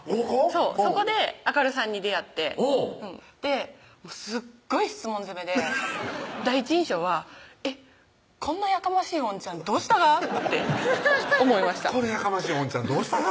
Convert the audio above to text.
そうそこで亜嘉瑠さんに出会ってほうすっごい質問攻めで第一印象はこんなやかましいおんちゃんどうしたが？って思いました「このやかましいおんちゃんどうしたが？」